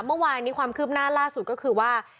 เมื่อวานนี้ความคืบหน้าล่าสุดก็คือว่า